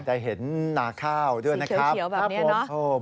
แต่เห็นนาข้าวด้วยนะครับสีเขียวแบบนี้นะ